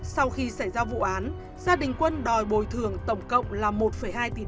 sau khi xảy ra vụ án gia đình quân đòi bồi thường tổng cộng là một hai tỷ đồng chi phí mai táng